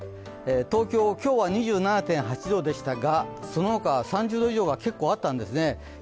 東京、今日は２７．８度でしたが、その他は３０度以上が結構あったんですね。